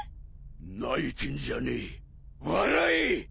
泣いてんじゃねえ笑え！